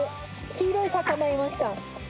黄色い魚いました。